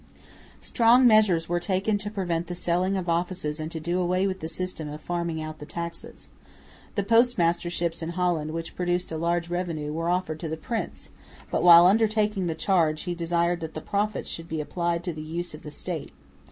Strong measures were taken to prevent the selling of offices and to do away with the system of farming out the taxes. The post masterships in Holland, which produced a large revenue, were offered to the prince; but, while undertaking the charge, he desired that the profits should be applied to the use of the State.